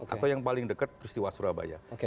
atau yang paling dekat peristiwa surabaya